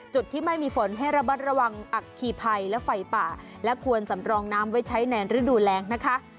ที่ไม่มีฝนให้ระมัดระวังอัคคีภัยและไฟป่าและควรสำรองน้ำไว้ใช้ในฤดูแรงนะคะ